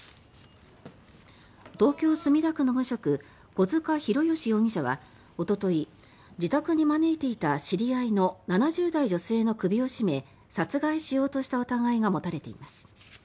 東京・墨田区の無職小塚博義容疑者はおととい自宅に招いていた知り合いの７０代女性の首を絞め殺害しようとした疑いが持たれています。